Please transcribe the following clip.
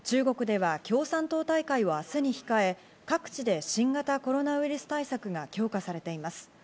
中国では共産党大会を明日に控え、各地で新型コロナウイルス対策が強化されています。